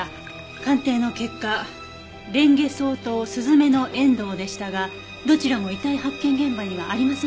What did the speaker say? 鑑定の結果レンゲソウとスズメノエンドウでしたがどちらも遺体発見現場にはありませんでした。